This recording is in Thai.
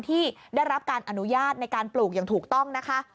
ที่ได้รับการอนุญาตในการปลูกอย่างถูกต้องนะคะ